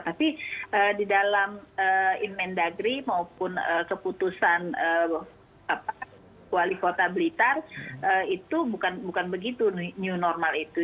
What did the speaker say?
tapi di dalam inmen dagri maupun keputusan wali kota blitar itu bukan begitu new normal itu